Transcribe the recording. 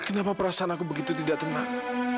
kenapa perasaan aku begitu tidak tenang